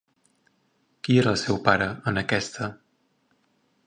Qui era el seu pare, en aquesta?